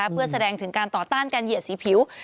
เพื่อแสดงถึงการต่อต้านการเหยียดสีผิว